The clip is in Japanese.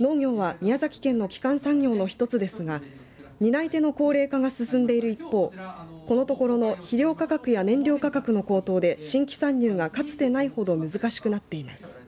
農業は宮崎県の基幹産業の１つですが担い手の高齢化が進んでいる一方このところの肥料価格や燃料価格の高騰で新規参入が、かつてないほど難しくなっています。